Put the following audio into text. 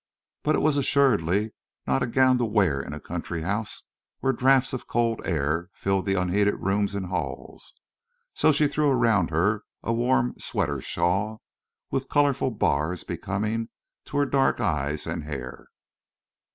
But it was assuredly not a gown to wear in a country house where draughts of cold air filled the unheated rooms and halls. So she threw round her a warm sweater shawl, with colorful bars becoming to her dark eyes and hair.